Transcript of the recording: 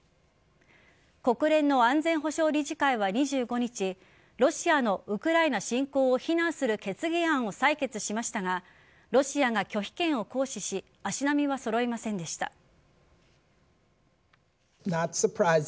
国連の安全保障理事会は２５日ロシアのウクライナ侵攻を非難する決議案を採決しましたがロシアが拒否権を行使し足並みを揃いませんでした。